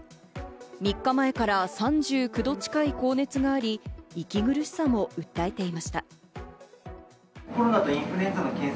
３日前から３９度近い高熱があり、息苦しさも訴えていました。